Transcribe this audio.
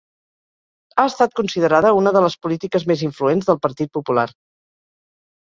Ha estat considerada una de les polítiques més influents del Partit Popular.